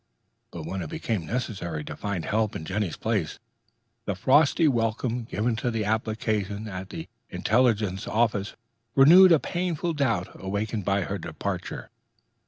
But when it became necessary to find help in Jenny's place, the frosty welcome given to application at the intelligence offices renewed a painful doubt awakened by her departure.